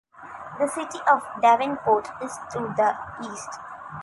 The city of Davenport is to the east.